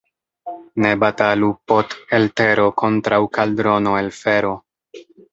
Ne batalu pot' el tero kontraŭ kaldrono el fero.